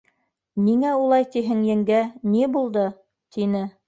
— Ниңә улай тиһең, еңгә, ни булды? — тине.